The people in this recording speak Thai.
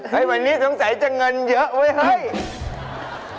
ให้วันนี้สงสัยจะเงินเยอะไว้ให้